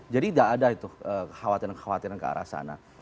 jadi tidak ada itu khawatiran khawatiran ke arah sana